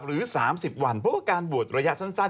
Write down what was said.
หรือ๓๐วันเพราะว่าการบวชระยะสั้น